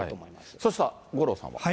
そして五郎さんは。